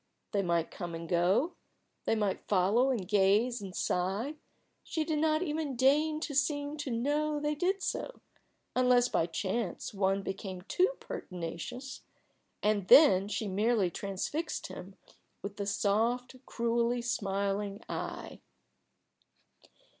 They might come and go; they might follow and gaze and sigh she did not even deign to seem to know they did so, unless by chance one became too pertinacious, and then she merely transfixed him with a soft, cruelly smiling eye.